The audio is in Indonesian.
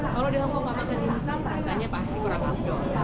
kalau di hongkong kalau makan diimsam rasanya pasti kurang agak jauh